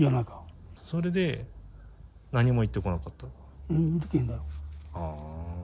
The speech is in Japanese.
それで、言ってこなかったよ。